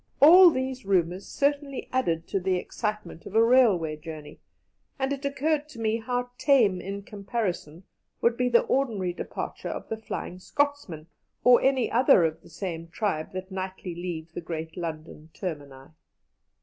All these rumours certainly added to the excitement of a railway journey, and it occurred to me how tame in comparison would be the ordinary departure of the "Flying Scotsman," or any other of the same tribe that nightly leave the great London termini.